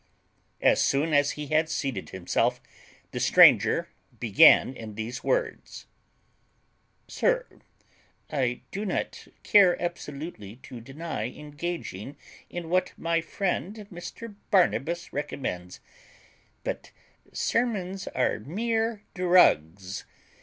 As soon as he had seated himself, the stranger began in these words: "Sir, I do not care absolutely to deny engaging in what my friend Mr Barnabas recommends; but sermons are mere drugs.